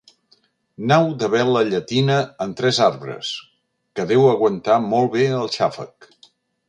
Nau de vela llatina, amb tres arbres, que deu aguantar molt bé el xàfec.